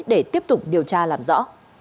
để tiếp tục điều tra làm rõ